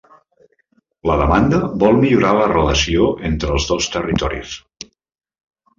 La demanda vol millorar la relació entre els dos territoris